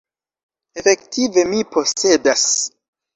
Efektive mi posedas.